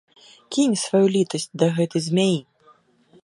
Кінь сваю літасць да гэтай змяі.